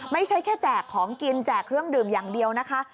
ไม่ใช่แค่แจกของกินแจกเครื่องดื่มอย่างเดียวนะคะ